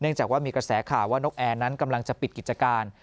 จากว่ามีกระแสข่าวว่านกแอร์นั้นกำลังจะปิดกิจการ